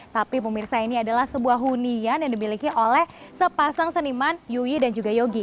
tapi pemirsa ini adalah sebuah hunian yang dimiliki oleh sepasang seniman yuyi dan juga yogi